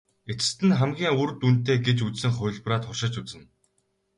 Эцэст нь хамгийн үр дүнтэй гэж үзсэн хувилбараа туршиж үзнэ.